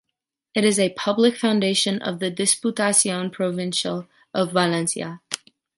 It is a public foundation of the Diputación Provincial of Valencia.